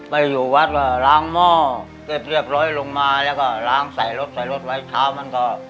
ไปอยู่วัดว่าล้างหม้อเสร็จเรียบร้อยลงมาแล้วก็ล้างใส่รถใส่รถไว้เช้ามันก็